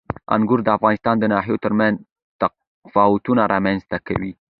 انګور د افغانستان د ناحیو ترمنځ تفاوتونه رامنځ ته کوي.